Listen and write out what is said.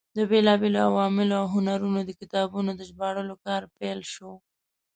د بېلابېلو علومو او هنرونو د کتابونو د ژباړلو کار پیل شو.